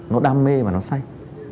nó đam mê mà nó say